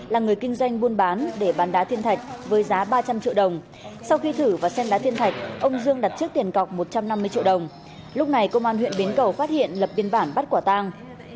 lúc này công an huyện bến cầu phát hiện lập biên bản bắt quả tang